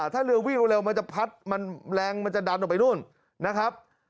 ถ้าเรือวิ่งเร็วมันจะพัดมันแรงมันจะดันออกไปนู่นนะครับ